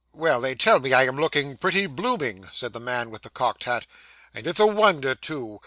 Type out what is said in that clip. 'Well, they tell me I am looking pretty blooming,' said the man with the cocked hat, 'and it's a wonder, too.